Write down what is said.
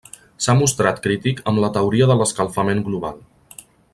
S'ha mostrat crític amb la teoria de l'escalfament global.